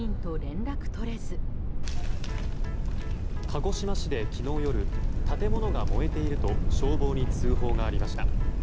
鹿児島市で昨日夜建物が燃えていると消防に通報がありました。